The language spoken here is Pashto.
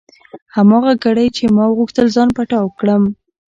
هماغه ګړۍ چې ما غوښتل ځان پټاو کړم.